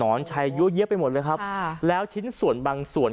น้องชายเยอะที่ไว้หมดเลยครับแล้วชิ้นส่วนบางส่วน